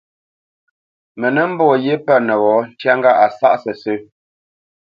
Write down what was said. Mə nə́ mbɔ́ ghyé pə̂ nəwɔ̌ ntyá ŋgâʼ a sáʼ sə́sə̄.